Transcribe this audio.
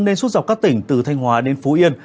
nên suốt dọc các tỉnh từ thanh hóa đến phú yên